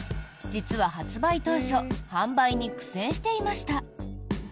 実は発売当初販売に苦戦していました。